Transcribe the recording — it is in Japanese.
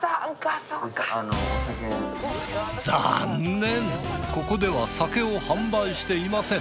残念ここでは酒を販売していません。